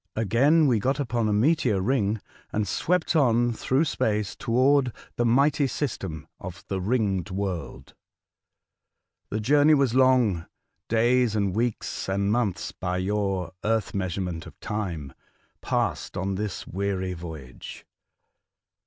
Again we got upon a meteor ring, and swept on through space toward the mighty system of the Ringed World. The journey was long — N 2 180 A Voyage to Other Worlds, days and weeks and months, by your earth measurement of time, passed on this weary voyage.